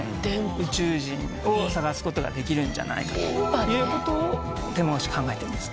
宇宙人を探すことができるんじゃないかということを天文学者は考えています。